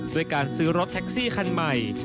ด้วยการซื้อรถแท็กซี่คันใหม่